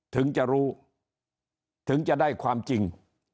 ถึงจะรู้ถึงจะได้ความจริง